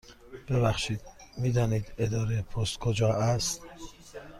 ببخشید، می دانید اداره پست کجا است؟